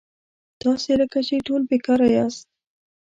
تاسي لکه چې ټول بېکاره یاست.